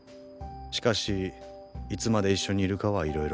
しかしいつまで一緒にいるかはいろいろだ。